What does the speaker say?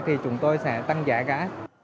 thì chúng tôi sẽ tăng giá cả